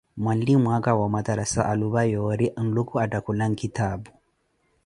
mwanlimo aka wa omatarasa alupa yoori Nluuku attakula nkitaapu.